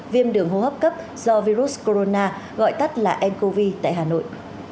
viêm đường hô hấp cấp do virus corona gọi tắt là ncov tại hà nội